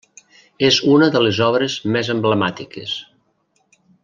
És una de les obres més emblemàtiques.